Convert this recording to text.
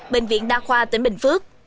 bệnh viện đa khoa tỉnh bình phước